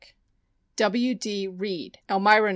D. Reid, Elmira, N.